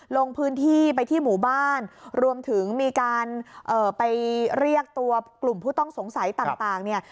ลงพื้นที่ไปที่หมู่บ้านรวมถึงมีการเอ่อไปเรียกตัวกลุ่มผู้ต้องสงสัยต่างเนี่ย